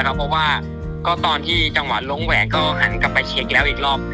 เพราะว่าก็ตอนที่ทางวัดลงและแก่ก็หันกลับไปเช็คแล้วอีกรอบ